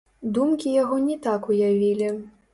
Думкі яго не так уявілі.